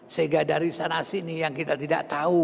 sehingga dari sana sini yang kita tidak tahu